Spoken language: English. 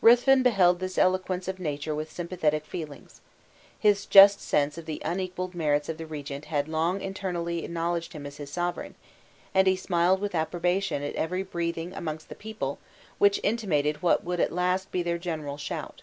Ruthven beheld this eloquence of nature with sympathetic feelings. His just sense of the unequaled merits of the regent had long internally acknowledged him as his sovereign; and he smiled with approbation at every breathing amongst the people which intimated what would at last be their general shout.